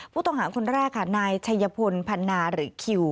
ผู้ต้องหาคนแรกค่ะนายชัยพลพันนาหรือคิว